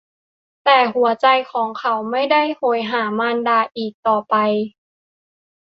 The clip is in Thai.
แต่หัวใจของเขาไม่ได้โหยหามารดาอีกต่อไป